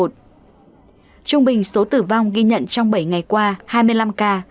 trung bình số tử vong ghi nhận trong bảy ngày qua hai mươi năm ca